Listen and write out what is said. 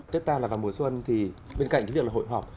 tết ta là vào mùa xuân thì bên cạnh cái việc là hội họp